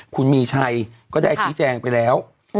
คุณมีชัยก็ได้ชี้แจงไปแล้ว